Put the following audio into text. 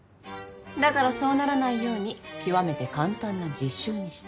だからそうならないように極めて簡単な実習にした。